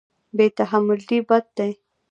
بې تحملي بد دی.